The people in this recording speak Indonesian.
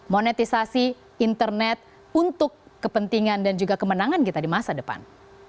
monetisasi internet untuk kepentingan dan juga kemenangan kita di masa depan